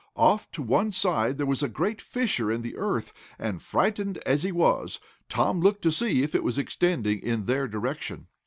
Off to one side there was a great fissure in the earth, and, frightened as he was, Tom looked to see if it was extending in their direction.